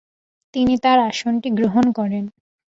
তিনি তার আসনটি গ্রহণ করেন।